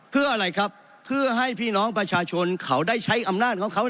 เพื่ออะไรครับเพื่อให้พี่น้องประชาชนเขาได้ใช้อำนาจของเขา